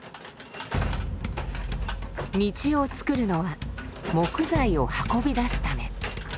道をつくるのは木材を運び出すため。